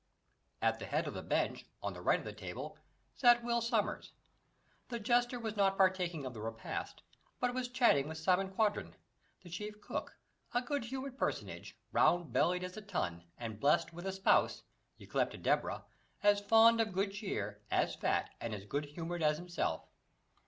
At the head of the bench, on the right of the table, sat Will Sommers. The jester was not partaking of the repast, but was chatting with Simon Quanden, the chief cook, a good humoured personage, round bellied as a tun, and blessed with a spouse, yclept Deborah, as fond of good cheer, as fat, and as good humoured as himself.